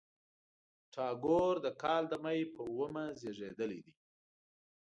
ټاګور د کال د مۍ په اوومه زېږېدلی دی.